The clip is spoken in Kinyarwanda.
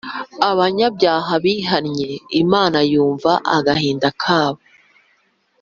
abanyabyaha bihannyeimana yumva agahinda kabo